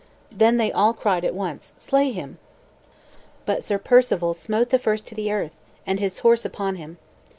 Then they cried all at once, "Slay him." But Sir Perceval smote the first to the earth, and his horse upon him.